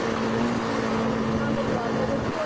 อายุนาย